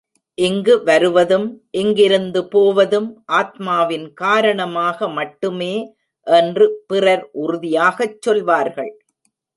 இங்கு வருவதும் இங்கிருந்து போவதும் ஆத்மாவின் காரணமாக மட்டுமே என்று பிறர் உறுதியாகச் சொல்வார்கள்.